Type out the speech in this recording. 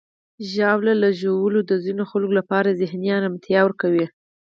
ژاوله ژوول د ځینو خلکو لپاره ذهني آرامتیا ورکوي.